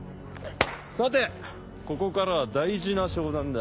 さてここからは大事な商談だ。